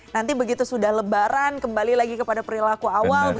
nanti begitu sudah lebaran kembali lagi kepada perilaku awal